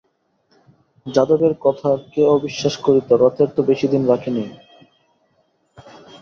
যাদবের কথা কে অবিশ্বাস করিত রথের তো বেশিদিন বাকি নেই।